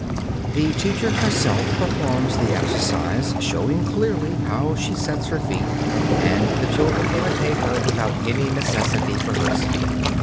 The teacher herself performs the exercise, showing clearly how she sets her feet, and the children imitate her without any necessity for her to speak.